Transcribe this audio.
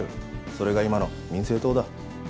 それが今の民政党だ。